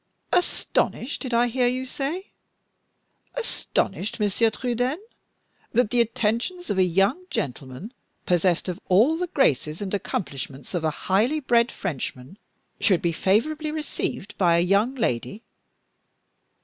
"Astonished, did I hear you say? Astonished, Monsieur Trudaine, that the attentions of a young gentleman, possessed of all the graces and accomplishments of a highly bred Frenchman, should be favorably received by a young lady!